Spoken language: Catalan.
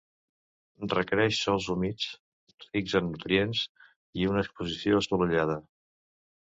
Requereix sòls humits, rics en nutrients i una exposició assolellada.